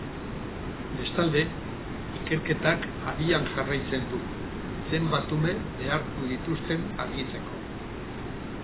Bestalde, ikerketak abian jarraitzen du, zenbat ume behartu dituzten argitzeko.